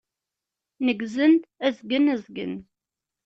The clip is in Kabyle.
Neggzen-d azgen azgen.